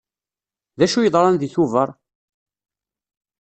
D acu yeḍran deg Tubeṛ?